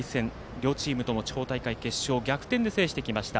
両チームとも地方大会決勝を逆転で制してきました。